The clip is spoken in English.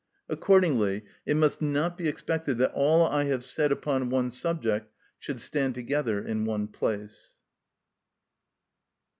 Accordingly, it must not be expected that all I have said upon one subject should stand together in one place.